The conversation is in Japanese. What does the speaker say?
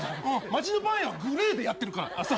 町のパン屋はグレーでやってるから。